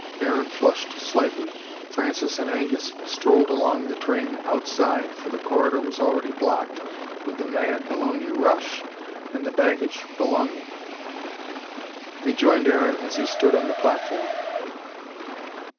Aaron flushed slightly. Francis and Angus strolled along the train, outside, for the corridor was already blocked with the mad Bologna rush, and the baggage belonging. They joined Aaron as he stood on the platform.